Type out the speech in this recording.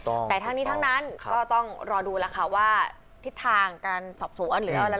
แต่ทั้งนี้ทั้งนั้นก็ต้องรอดูละค่ะว่าทิศทางการสอบสู่อันหรืออะไร